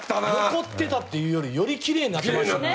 残ってたっていうよりよりきれいになってましたね。